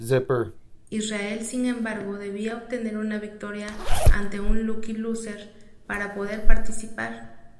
Israel, sin embargo, debía obtener una victoria ante un "lucky loser" para poder participar.